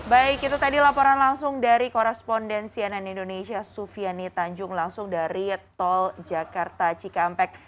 baik itu tadi laporan langsung dari koresponden cnn indonesia sufiani tanjung langsung dari tol jakarta cikampek